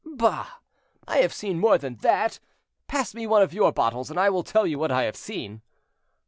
"Bah! I have seen more than that; pass me one of your bottles, and I will tell you what I have seen."